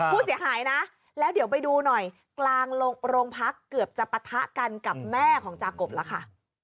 ผู้เสียหายนะแล้วเดี๋ยวไปดูหน่อยกลางโรงพักเกือบจะปะทะกันกับแม่ของจากบแล้วค่ะ